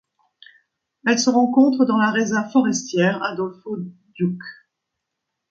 Elle se rencontre dans la réserve forestière Adolfo Ducke.